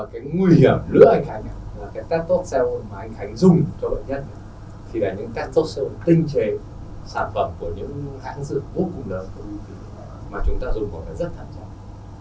cái nguy hiểm lứa anh khánh là cái testosterone mà anh khánh dùng cho đợt nhất thì là những testosterone tinh chế sản phẩm của những hãng dưỡng vô cùng lớn của quý vị mà chúng ta dùng có cái rất thật chắc